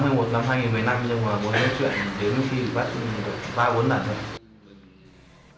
tháng một mươi một năm hai nghìn một mươi năm nhưng mà muốn nói chuyện đến khi bị bắt ba bốn lần rồi